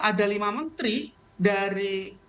ada lima menteri dari